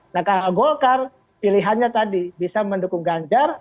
nah kalau golkar pilihannya tadi bisa mendukung ganjar